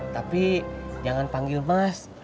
tapi jangan panggil mas